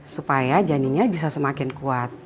supaya janinnya bisa semakin kuat